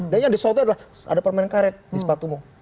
dan yang disautnya adalah ada permen karet di sepatumu